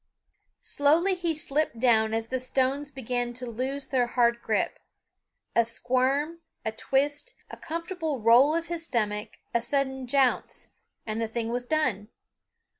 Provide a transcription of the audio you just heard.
Slowly he slipped down as the stones began to lose their hard grip. A squirm, a twist, a comfortable roll of his stomach, a sudden jounce and the thing was done.